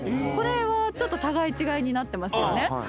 これはちょっと互い違いになってますよね？